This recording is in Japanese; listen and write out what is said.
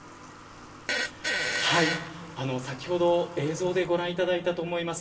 はい、先ほど映像でご覧いただいたと思います。